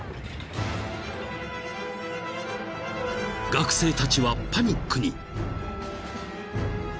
［学生たちはパニックに］